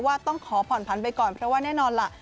ต้องขอผ่อนผันไปก่อนเพราะว่าแน่นอนล่ะ